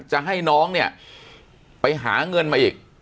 จะให้น้องเนี่ยไปหาเงินมาอีก